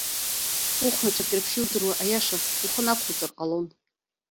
Ухәнацәак реиԥш иудыруа аиаша, ухы нақәуҵар ҟалон.